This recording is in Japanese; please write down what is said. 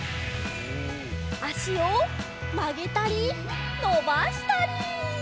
あしをまげたりのばしたり！